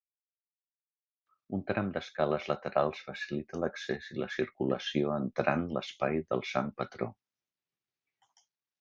Un tram d'escales laterals facilita l'accés i la circulació entrant l'espai del sant patró.